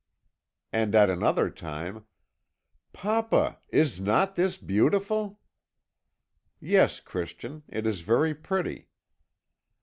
"And at another time: "'Papa, is not this beautiful?' "'Yes, Christian, it is very pretty.'